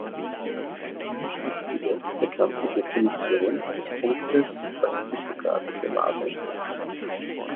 Dies ist die erste bekannte Definition eines Punktes als typografische Maßeinheit.